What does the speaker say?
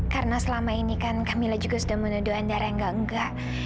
karena selama ini kan kamilah juga sudah menuduh andara yang gangga